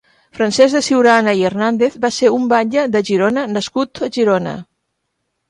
Francesc de Ciurana i Hernández va ser un batlle de Girona nascut a Girona.